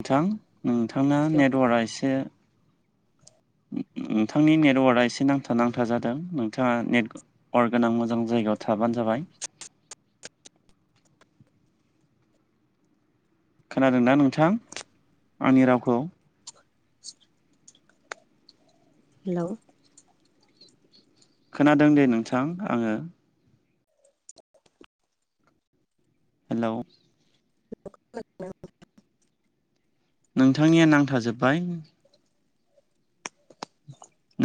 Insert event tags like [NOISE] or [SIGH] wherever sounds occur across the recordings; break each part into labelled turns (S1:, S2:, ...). S1: नोंथां नोंथांना नेटवार्कआ एसे नोंथांनि नेटवार्कआ एसे नांथा नांथा जादों नोंथाङा नेट अर गोनां मोजां जायगायाव थाबानो जाबाय खोनादों दा नोंथां आंनि रावखौ
S2: [INAUDIBLE] हेल'
S1: खोनादों दे नोंथां आङो हेलौ
S2: [UNINTELLIGIBLE]
S1: नोंथांनिया नांथाजोब्बाय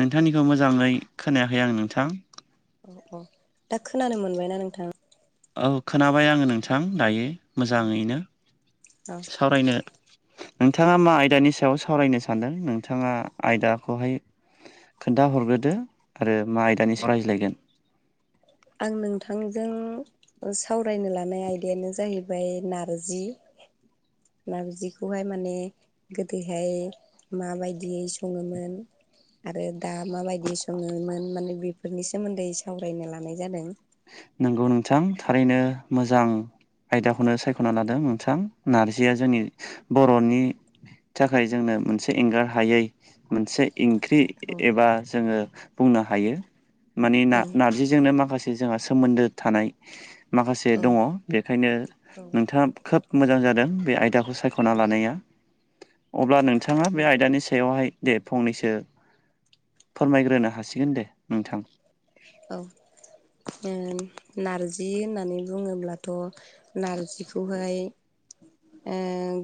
S1: नोंथांनिखौ मोजाङै खोनायाखै आं नोंथां
S2: औ दा खोनानो मोनबायना नोंथां
S1: औ खोनाबाय आङो नोंथां दायो मोजाङैनो सावरायनो नोंथाङा मा आयदानि सायाव सावरायनो सानदों नोंथाङा आयदाखौहाय खोन्थ हरग्रोदो आरो मा आयदानि सायाव रायज्लायगोन
S2: आं नोंथांजों सावरायनो लानाय आयदायानो जाहैबाय नारजि नारजिखौहाय माने गोदोहाय माबायदियै सङोमोन आरो दा माबायदि सङोमोन माने बेफोरनि सोमोन्दै सावरायनो लानाय जादों
S1: नोंगौ नोंथां थारैनो मोजां आयदाखौनो सायख'ना लादों नोंथां नारजिया जोंनि बर'नि थाखाय जोंनो मोनसे एंगार हायै मोनसे ओंख्रि
S2: औ
S1: एबा जोङो बुंनो हायो। माने
S2: औ
S1: नारजिजोंनो माखासे जोंहा सोमोन्दो थानाय माखासे दङ बेखायनो नोंथाङा खोब मोजां जादों बे आयदाखौ सायख'ना लानाया अब्ला नोंथाङा बे आयदानि सायावहाय दे फंनैसो फोरमायग्रोनो हासिगोन दे नोंथां
S2: औ [UNINTELLIGIBLE] नारजि होननानै बुङोब्लाथ' नारजिखौहाय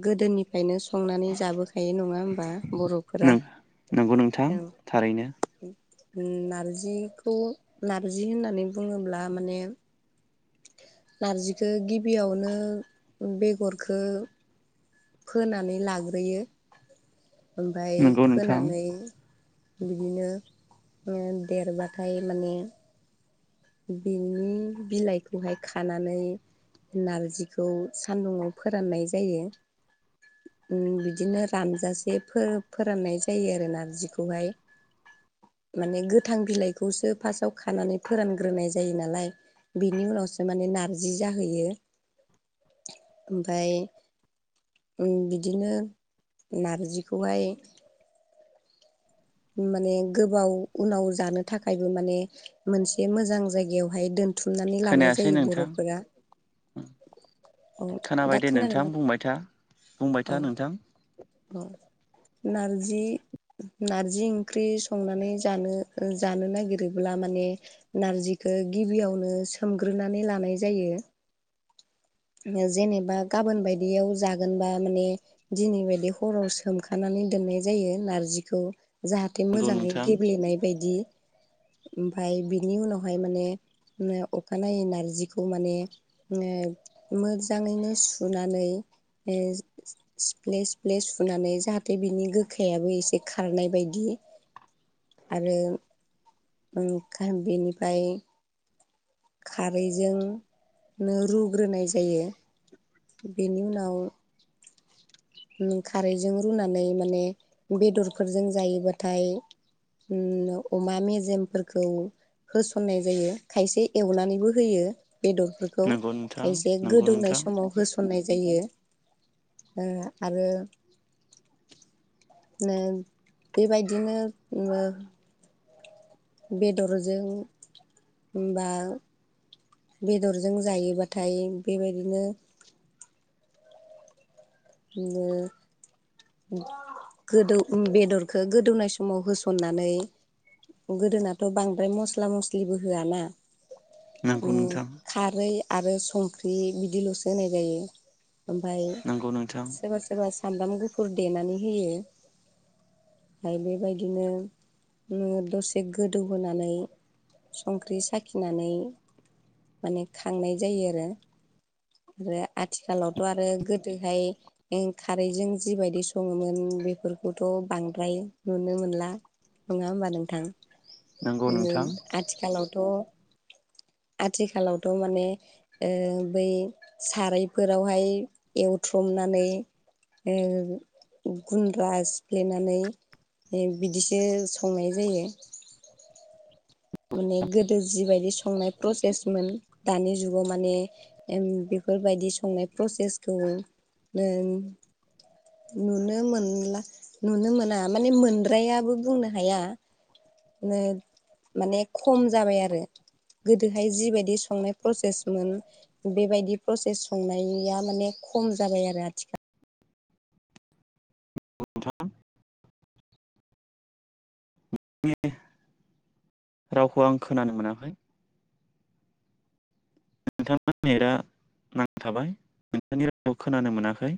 S2: गोदोनिफ्रायनो संनानै जाबोखायो नङा होमबा
S1: नों
S2: बर'फोरा
S1: नंगौ नोंथां
S2: ओं
S1: थारैनो।
S2: नारजिखौ नारजि होननानै बुङोब्ला माने नारजिखौ गिबियावनो बेगरखौ फोनानै लाग्रोयो ओमफ्राय
S1: नंगौ नोंथां
S2: फोनानै बिदिनो देरबाथाय माने बिनि बिलाइखौहाय खानानै नारजिखौ सान्दुङाव फोराननाय जायो। बिदिनो रानजासे फोराननाय जायो आरो नारजिखौहाय
S1: [UNINTELLIGIBLE]
S2: माने गोथां बिलाइखौसो फार्स्टाव खानानै फोरान [UNINTELLIGIBLE] जायो नालाय बिनि उनावसो माने नारजि जाहैयो ओमफफ्राय बिदिनो नारजिखौहाय माने गोबाव उनाव जानो थाखायबो माने मोनसे मोजां जायगायावहाय दोन बुथुमनानै लानाय
S1: खोनायासै
S2: जायो
S1: नोंथां
S2: बर'फोरा [UNINTELLIGIBLE] अ
S1: खोनाबाय
S2: दा
S1: दे नोंथां
S2: खोनादोंदां
S1: बुंबाय था बुंबाय था नोंथां
S2: अ नारजि नारजि ओंख्रि संनानै जानो जानो नागिरोब्ला माने नारजिखौ गिबियावनो सोमग्रोनानै लानाय जायो। जेनेबा गाबोन बायदियाव जागोनबा माने दिनै बायदि हराव सोमखानानै दोननाय जायो नारजिखौ जाहाथे थे
S1: नंगौ
S2: मोजाङै
S1: नोंथां
S2: गेब्लेनाय बायदि। ओमफ्राय बिनि उनावहाय माने अखानायै नारजिखौ माने माने मोजाङैनो सुनानै ओ सिफ्ले सिफ्ले सुनानै जाहाथे बिनि गोखायाबो एसे खारनाय बायदि आरो ओंखाय बेनिफ्राय खारैजोंनो रुग्रोनाय जायो। बेनि उनाव खारैजों रुनानै माने बेदरफोरजों जायोबाथाय ओम अमा मेजेमफोरखौ होसन्नाय जायो, खायसे एवनानैबो होयो। बेदरफोरखौ,
S1: नंगौ नोंथां
S2: खायसे
S1: नंगौ
S2: गोदौनाय
S1: नोंथां
S2: समाव होस सननाय जायो। ओ आरो नो बेबायदिनो ओ बेदरजों बा बेदरजों जायोबाथाय बेबायदिनो [UNINTELLIGIBLE] गोदौ बेदरखो गोदौनाय समाव होसननानै गोदोनाथ' बांद्राय मस्ला मस्लिबो होआ ना?
S1: नंगौ
S2: ओम
S1: नोंथां
S2: खारै आरो संख्रि बिदिल'सो होनाय जायो। ओमफ्राय
S1: नंगौ नोंथां।
S2: सोरबा सोरबा सामब्राम गुफुर देनानै होयो। ओमफाय बेबायदिनो ओ दसे गोदौ होनानै संख्रि साखिनानै माने खांनाय जायो आरो। आरो आथिखालावथ' आरो गोदोहाय ओ खारैजों जिबायदि सङोमोन बेफोरखौथ' बांद्राय नुनो मोनला। नङा होमबा नोंथां?
S1: नंगौ
S2: ओम
S1: नोंथां
S2: आथिखालावथ' आथिखालावथ' माने ओ बै सारायफोरावहाय एवथ्रमना नै ओ गुन्द्रा सिफ्लेनानै ओ बिदिसो संनाय जायो। माने गोदो जिबायदि संनाय प्रसेसमोन दानि जुगाव माने ओम बेफोरबायदि संनाय प्रसेसखौ ओम नुनो मोनला, नुनो मोना माने मोनद्रायाबो बुंनो हाया। ने माने खम जाबाय आरो। गोदोहाय जिबायदि संनाय प्रसेसमोन बेबायदि प्रसेस संनाया माने खम जाबाय आरो आथिखाल
S1: [UNINTELLIGIBLE] रावखौ आं खोनानो मोनाखै। नोंथांना नेटआ नांथाबाय, नोंथांनि रावखौ खोनानो मोनाखै।